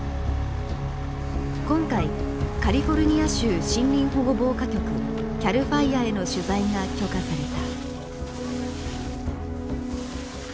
今回カリフォルニア州森林保護防火局ＣＡＬＦＩＲＥへの取材が許可された。